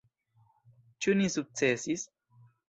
Ĉu ni sukcesis?